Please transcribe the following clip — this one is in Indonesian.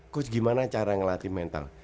coach gimana cara ngelatih mental